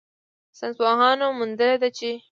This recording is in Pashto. ساینسپوهانو موندلې ده چې